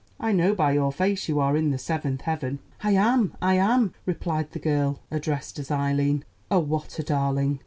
"I know by your face you are in the seventh heaven." "I am, I am," replied the girl addressed as Eileen. "Oh, what a darling!